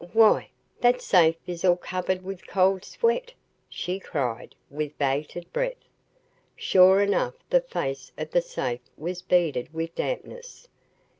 "Why, that safe is all covered with cold sweat!" she cried with bated breath. Sure enough the face of the safe was beaded with dampness.